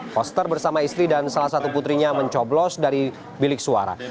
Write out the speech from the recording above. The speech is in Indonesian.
koster bersama istri dan salah satu putrinya mencoblos dari bilik suara